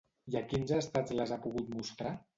I a quins estats les ha pogut mostrar?